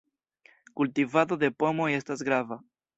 Kultivado de pomoj estas grava.